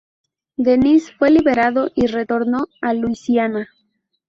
Denis fue liberado y retornó a Luisiana.